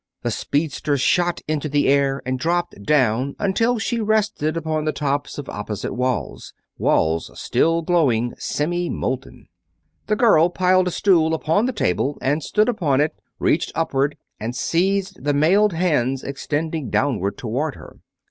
The speedster shot into the air and dropped down until she rested upon the tops of opposite walls; walls still glowing, semi molten. The girl piled a stool upon the table and stood upon it, reached upward and seized the mailed hands extended downward toward her.